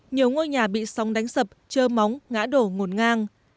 nhiều ngôi nhà bị sóng đánh sập trơ móng ngã đổ ngổn ngang